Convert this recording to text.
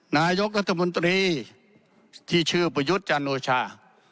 นายกรัฐมนตรีที่ชื่อประยุทธ์จันโอชา